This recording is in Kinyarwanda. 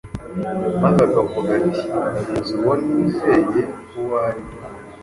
maze akavuga ati, “Nzi uwo nizeye uwo ari we,